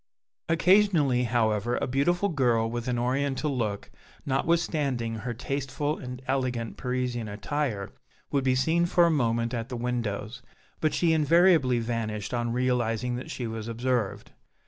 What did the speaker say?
Occasionally, however, a beautiful girl, with an oriental look notwithstanding her tasteful and elegant Parisian attire, would be seen for a moment at the windows, but she invariably vanished on realizing that she was observed.